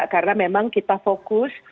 karena memang kita fokus